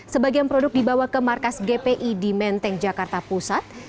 sebagian produk dibawa ke markas gpi di menteng jakarta pusat